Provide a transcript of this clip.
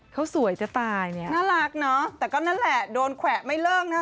เขาสวยจะตายเนี่ยน่ารักเนอะแต่ก็นั่นแหละโดนแขวะไม่เลิกนะ